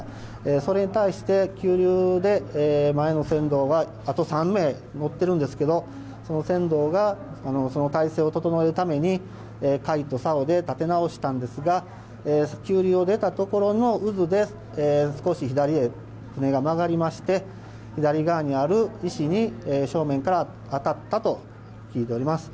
それに対して急流で前の船頭があと３名乗っていますがその船頭が体勢を整えるためにかじとさおで立て直したんですが急流を出たところの渦で少し左へ船が曲がりまして左にある石に正面から当たったと聞いております。